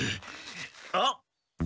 あっ。